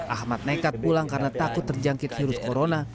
ahmad nekat pulang karena takut terjangkit virus corona